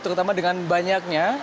terutama dengan banyaknya